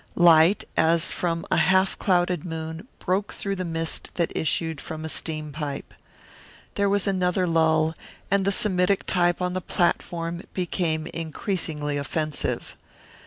Light as from a half clouded moon broke through the mist that issued from a steam pipe. There was another lull, and the Semitic type on the platform became increasingly offensive.